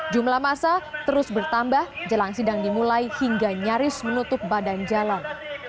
jumlah masa terus bertambah jelang sidang dimulai hingga nyaris menutup badan jalan